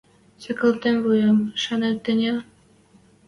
Сӓкӓлтем вуем, шанет тӹньӹ?